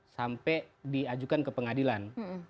sampai diajukan ke pengadilan